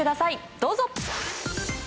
どうぞ。